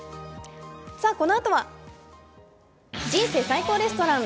このあとは「人生最高レストラン」。